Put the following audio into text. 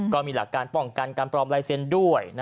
ก็มีหลักการป้องกันการปลอมลายเซ็นต์ด้วย